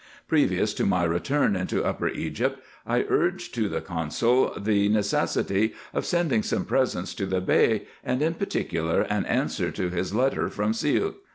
Previous to my return into Upper Egypt, I urged to the consul the necessity of sending some presents to the Bey, and in particular an answer to his letter from Siout.